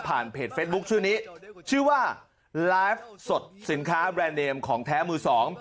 เพจเฟซบุ๊คชื่อนี้ชื่อว่าไลฟ์สดสินค้าแบรนด์เนมของแท้มือสอง